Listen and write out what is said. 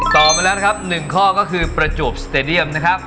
มาแล้วนะครับ๑ข้อก็คือประจวบสเตดียมนะครับ